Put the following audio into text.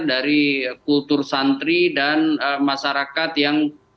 dari kultur santri dan masyarakat yang